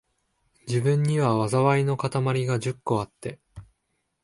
自分には、禍いのかたまりが十個あって、